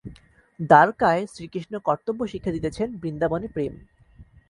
দ্বারকায় শ্রীকৃষ্ণ কর্তব্য শিক্ষা দিতেছেন, বৃন্দাবনে প্রেম।